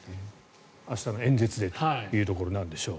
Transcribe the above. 明日の演説でというところなんでしょう。